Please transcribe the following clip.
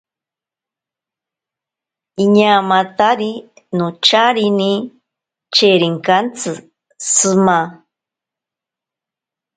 Iñaamatari nocharine cherinkantsi shima.